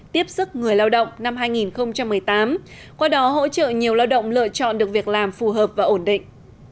tiếp sức người lao động năm hai nghìn một mươi tám qua đó hỗ trợ nhiều lao động lựa chọn được việc làm phù hợp và ổn định